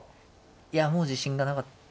いやもう自信がなかったですかね。